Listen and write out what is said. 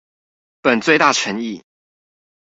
本最⼤誠意